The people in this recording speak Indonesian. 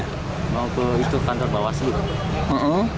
mau ke kantor bawah aslu